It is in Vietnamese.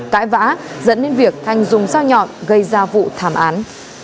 cãi vã dẫn đến việc thành dùng sao nhọn gây ra vụ thảm án